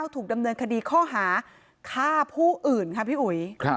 ถูกดำเนินคดีข้อหาฆ่าผู้อื่นค่ะพี่อุ๋ย